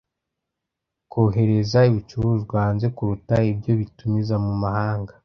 Kohereza ibicuruzwa hanze kuruta ibyo bitumiza mu mahanga.